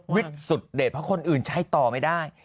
สุดเด็ดเพราะคนอื่นใช้ต่อไม่ได้